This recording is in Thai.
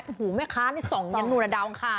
โอ้โฮแม่ค้านี่ส่องอย่างหนูแต่ดาวน์ค้า